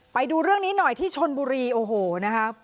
ไปดูเรื่องนี้หน่อยที่ชนบุรีโอ้โหนะคะ